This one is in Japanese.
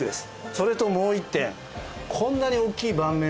それともう一点。